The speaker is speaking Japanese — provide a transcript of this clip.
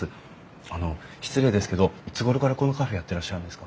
あの失礼ですけどいつごろからこのカフェやってらっしゃるんですか？